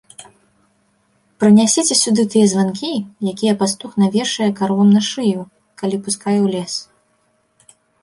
Прынясіце сюды тыя званкі, якія пастух навешвае каровам на шыю, калі пускае ў лес.